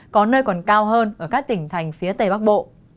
có nơi còn cao hơn ở các tỉnh thành phía tây bắc bộ